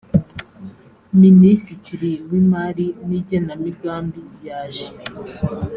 minisitiri w imari n igenamigambi yaje